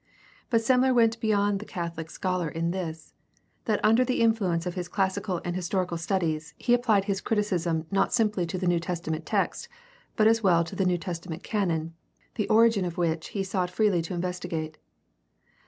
But Semler went beyond the Catholic scholar in this, that under the influence of his classical and historical studies he applied his criticism not simply to the New Testament text but as well to the New Testament canon, the origin of which he sought freely to investigate.